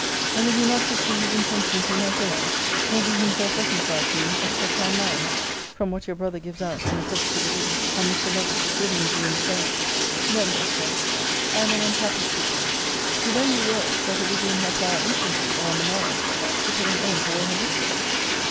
And will he not pursue his intentions in my favour, nor be himself reconciled to me, except I am married? From what your brother gives out, and effects to believe, on Mr. Lovelace's living with you in the same No more, Sir I am an unhappy creature! He then re urged, that it would be in her power instantly, or on the morrow, to put an end to all her difficulties.